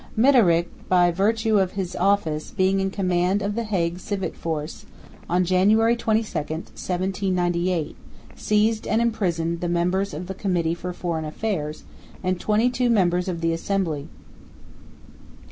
Midderigh, by virtue of his office, being in command of the Hague civic force, on January 22, 1798, seized and imprisoned the members of the Committee for Foreign Affairs and twenty two members of the Assembly.